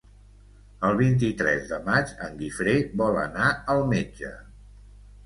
El vint-i-tres de maig en Guifré vol anar al metge.